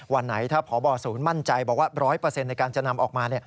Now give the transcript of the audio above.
วันไหนถ้าพบศูนย์มั่นใจบอกว่า๑๐๐ในการจะนำออกมา